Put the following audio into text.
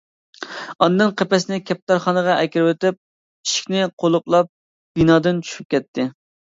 ئاندىن قەپەسنى كەپتەرخانىغا ئەكىرىۋېتىپ، ئىشىكنى قۇلۇپلاپ بىنادىن چۈشۈپ كەتتى.